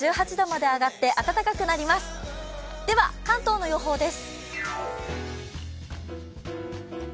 では関東の予報です。